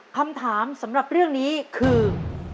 คำถามสำหรับเรื่องนี้คือ